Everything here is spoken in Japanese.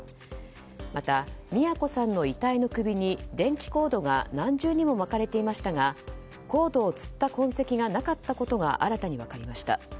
また、美也子さんの遺体の首に電気コードが何重にも巻かれていましたがコードをつった痕跡がなかったことが新たに分かりました。